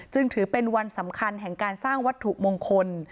ถือเป็นวันสำคัญแห่งการสร้างวัตถุมงคล